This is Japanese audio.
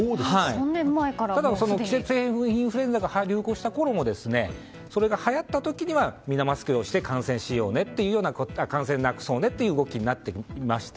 ただ、季節性インフルエンザが流行したころもそれがはやった時にはみんなマスクをして感染をなくそうねという動きにはなっていました。